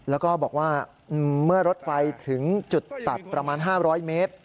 แล้วก็บอกว่าเมื่อรถไฟถึงจุดตัดประมาณ๕๐๐เมตร